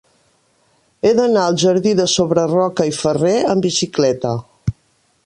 He d'anar al jardí de Sobreroca i Ferrer amb bicicleta.